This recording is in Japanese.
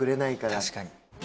確かに。